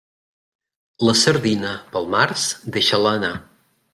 La sardina, pel març, deixa-la anar.